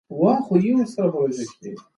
کتاب د انسان فکر روښانه کوي.